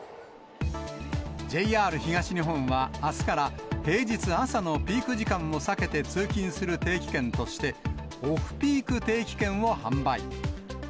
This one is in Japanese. ＪＲ東日本は、あすから、平日朝のピーク時間を避けて通勤する定期券として、オフピーク定期券を販売。